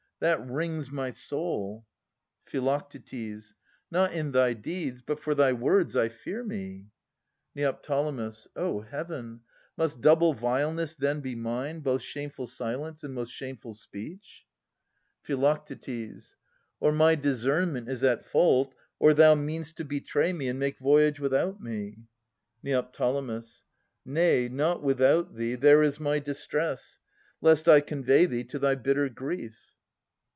That wrings my soul. Phi. Not in thy deeds. But for thy words, I fear me ! Neo. O Heaven ! Must double vileness then be mine Both shameful silence and most shameful speech? Phi. Or my discernment is at fault, or thou Mean'st to betray me and make voyage without me. Neo. Nay, not without thee, there is my distress ! Lest I convey thee to thy bitter grief.